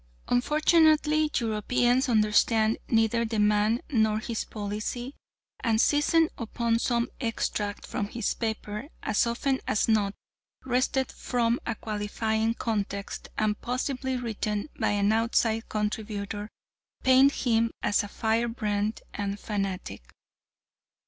Unfortunately Europeans understand neither the man nor his policy, and seizing upon some extract from his paper, as often as not wrested from a qualifying context, and possibly written by an outside contributor, paint him as a firebrand and fanatic.